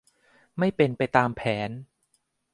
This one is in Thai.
ไม่เป็นไปตามแผน